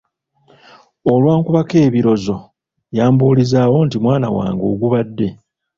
Olwankubako ebirozo yambuulizaawo nti mwana wange ogubadde?